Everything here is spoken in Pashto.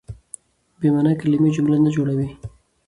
بې مانا کیلمې جمله نه جوړوي.